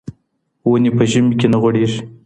وني په ژمي کي نه غوړېږي.